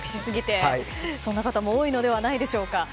そんな方も多いのではないでしょうか。